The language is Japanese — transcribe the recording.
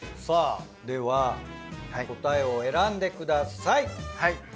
さぁでは答えを選んでください。